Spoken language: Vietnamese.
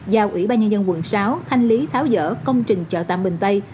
giao ủy ban nhân dân quận sáu thanh lý tháo dỡ công trình chợ tạm bình tây